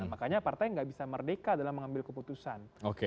makanya partai nggak bisa merdeka dalam mengambil keputusan